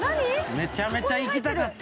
めちゃめちゃ行きたかった。